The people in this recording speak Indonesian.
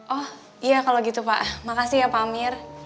oh iya kalau gitu pak makasih ya pak amir